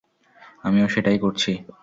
আমিও সেটাই করছি।